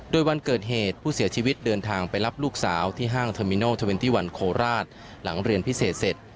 โดยวันเกิดเหตุผู้เสียชีวิตเดินทางไปรับลูกสาวที่ห้างเทอร์มินอลเทอร์เวนตี้วันโคราชหลังเรียนพิเศษเสร็จ